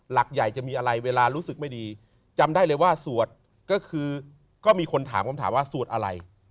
หลักใหญ่จะมีอะไรเวลารู้สึกไม่ดีจำได้เลยว่าสวดก็คือก็มีคนถามคำถามว่าสวดอะไร